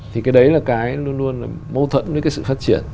thì cái đấy luôn luôn mâu thuẫn với sự phát triển